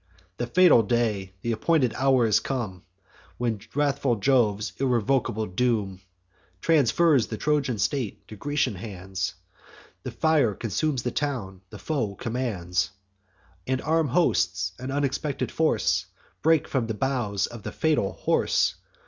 The fatal day, th' appointed hour, is come, When wrathful Jove's irrevocable doom Transfers the Trojan state to Grecian hands. The fire consumes the town, the foe commands; And armed hosts, an unexpected force, Break from the bowels of the fatal horse.